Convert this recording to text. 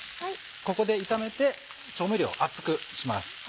ここで炒めて調味料を熱くします。